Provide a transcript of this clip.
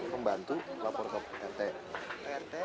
pembantu laporan ke prt